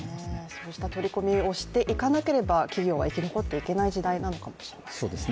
そうした取り込みをしていかなければ企業は生き残っていけない時代なのかもしれないですね。